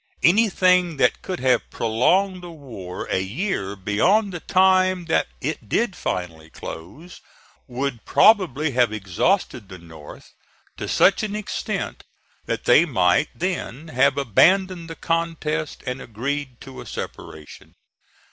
Anything that could have prolonged the war a year beyond the time that it did finally close, would probably have exhausted the North to such an extent that they might then have abandoned the contest and agreed to a separation.